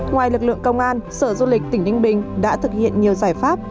ngoài lực lượng công an sở du lịch tỉnh ninh bình đã thực hiện nhiều giải pháp